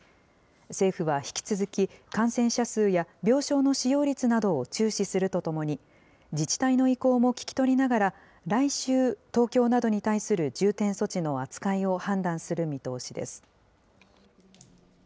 政府は引き続き、感染者数や病床の使用率などを注視するとともに、自治体の意向も聞き取りながら、来週、東京などに対する重点措置の扱いを判断する見通しです。